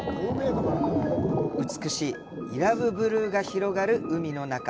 美しい伊良部ブルーが広がる海の中！